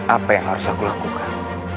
apa yang harus aku lakukan